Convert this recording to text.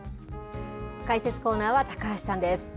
解説コーナーは高橋さんです。